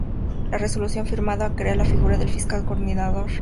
La resolución firmada crea la figura del "fiscal coordinador" para cada distrito.